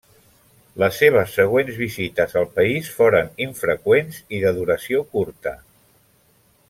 Les seves següents visites al país foren infreqüents i de duració curta.